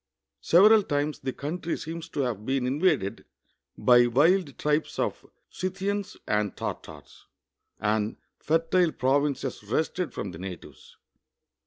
Several times the country seems to have been invaded by wild tribes of Scj'thians and Tartars, and fertile pro\inces wrested from the natives.